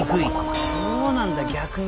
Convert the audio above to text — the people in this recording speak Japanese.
そうなんだ逆に！